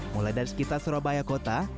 mulai dari sekitar surabaya kota